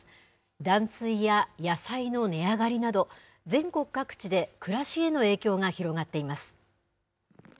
断水や野菜の値上がりなど、全国各地で暮らしへの影響が広がっています。